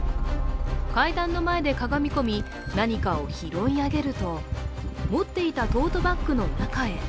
階段の前でかがみ込み、何かを拾い上げると持っていたトートバッグの中へ。